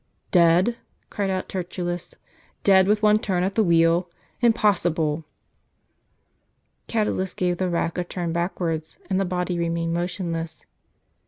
" Dead !" cried out Tertullus ;" dead with one turn of the wheel? impossible!" Catulus gave the rack a turn backwards, and the body remained motionless.